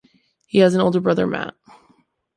He has an older brother, Matt.